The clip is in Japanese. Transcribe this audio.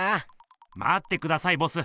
まってくださいボス。